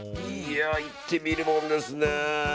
いってみるもんですね。